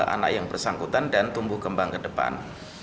anak yang bersangkutan dan tumbuh kembang ke depan